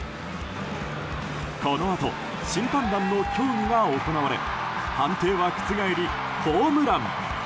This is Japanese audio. このあと、審判団の協議が行われ判定は覆り、ホームラン。